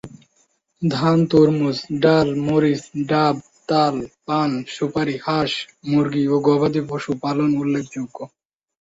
ধান, তরমুজ, ডাল, মরিচ, ডাব, তাল, পান, সুুপারি, হাঁস, মুরগি ও গবাদিপশু পালন উল্লেখযোগ্য।